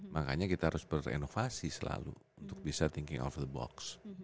makanya kita harus berinovasi selalu untuk bisa thinking of the box